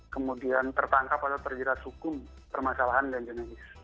kemudian tertangkap atau terjirat hukum permasalahan ganja medis